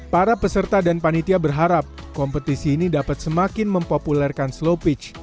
para peserta dan panitia berharap kompetisi ini dapat semakin mempopulerkan slow pitch